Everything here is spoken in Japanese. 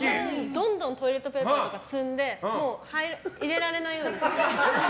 どんどんトイレットペーパーとか積んでもう入れられないようにして。